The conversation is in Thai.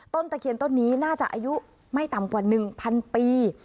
ตะเคียนต้นนี้น่าจะอายุไม่ต่ำกว่า๑๐๐ปี